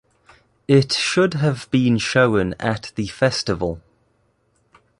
It should have been shown at the festival.